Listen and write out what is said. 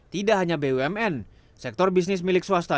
tidak hanya bumn sektor bisnis milik swasta